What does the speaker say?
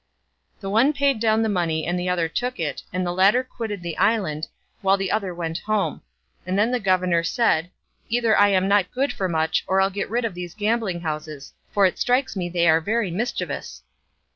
The one paid down the money and the other took it, and the latter quitted the island, while the other went home; and then the governor said, "Either I am not good for much, or I'll get rid of these gambling houses, for it strikes me they are very mischievous."